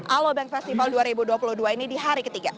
alobank festival dua ribu dua puluh dua ini di hari ketiga